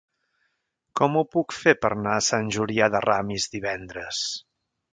Com ho puc fer per anar a Sant Julià de Ramis divendres?